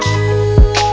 terima kasih ya allah